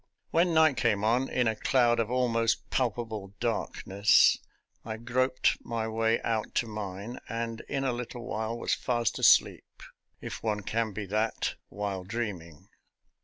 When night came on, in a cloud of almost palpable darkness, I groped my way out to mine, and in a little while was fast asleep— if one can be that while dreaming.